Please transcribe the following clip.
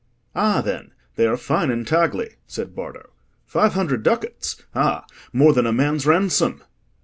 "Ah, then, they are fine intagli," said Bardo. "Five hundred ducats! Ah, more than a man's ransom!"